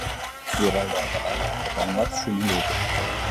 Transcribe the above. Lurraldea ez da laua eta hainbat sumendi ditu.